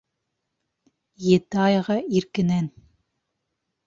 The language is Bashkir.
Ете айға иркенән